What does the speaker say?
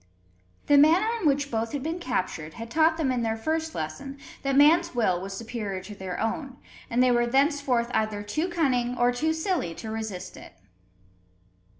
The manner in which both had been captured, had taught them in their first lesson, that man's will was superior to their own; and they were thenceforth either too cunning or too silly to resist it.